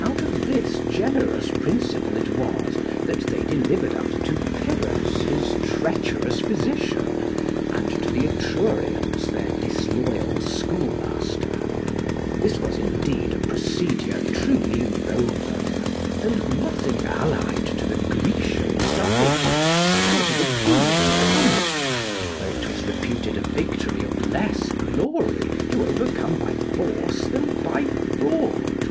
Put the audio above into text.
Out of this generous principle it was that they delivered up to Pyrrhus his treacherous physician, and to the Etrurians their disloyal schoolmaster. This was, indeed, a procedure truly Roman, and nothing allied to the Grecian subtlety, nor to the Punic cunning, where it was reputed a victory of less glory to overcome by force than by fraud.